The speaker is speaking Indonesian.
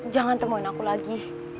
jangan temuin aku lagi